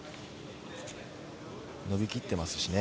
伸びきっていますしね。